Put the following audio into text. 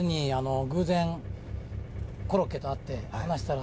コロッケと会って話したら。